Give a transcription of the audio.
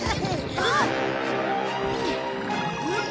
あっ！